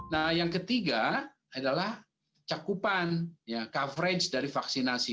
nah yang ketiga adalah cakupan ya coverage dari vaksinasi